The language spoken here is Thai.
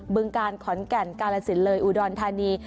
ึงการขอนแก่นกาลสินเลยอุดรธานี